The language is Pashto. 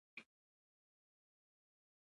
په افغانستان کې د مېوې لپاره طبیعي شرایط مناسب دي.